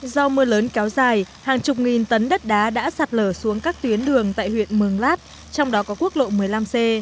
do mưa lớn kéo dài hàng chục nghìn tấn đất đá đã sạt lở xuống các tuyến đường tại huyện mường lát trong đó có quốc lộ một mươi năm c